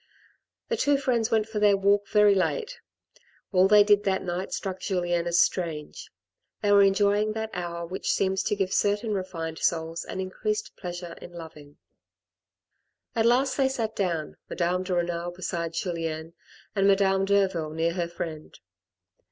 The two friends went for their walk very late. All they did that night struck Julien as strange. They were enjoying that hour which seems to give certain refined souls an increased pleasure in loving. At last they sat down, Madame de Renal beside Julien, and Madame Derville near her friend.